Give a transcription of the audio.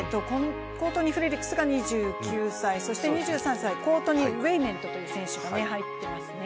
コートニー・フレリクスが２９歳、そして２３歳コートニー・ウェイメントという選手が入っていますね。